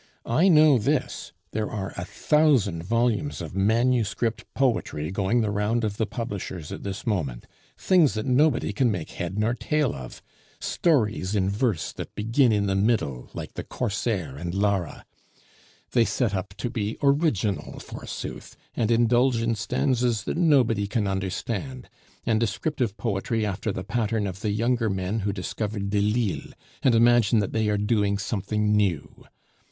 I know this: there are a thousand volumes of manuscript poetry going the round of the publishers at this moment, things that nobody can make head nor tail of, stories in verse that begin in the middle, like The Corsair and Lara. They set up to be original, forsooth, and indulge in stanzas that nobody can understand, and descriptive poetry after the pattern of the younger men who discovered Delille, and imagine that they are doing something new.